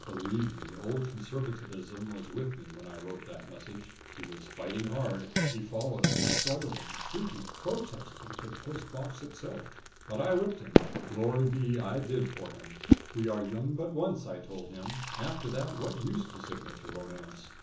Believe me, old Conservatism was with me when I wrote that message. He was fighting hard. He followed me, struggling, shrieking, protesting, to the post box itself. But I whipped him. Glory be! I did for him. We are young but once, I told him. After that, what use to signal to Romance?